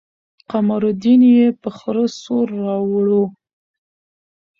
قمرالدين يې په خره سور راوړو.